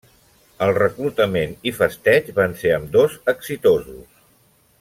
El reclutament i festeig van ser ambdós exitosos.